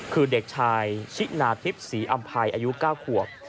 คือเด็กชายชินาทิพย์ศรีอำภัยอายุ๙ขวบ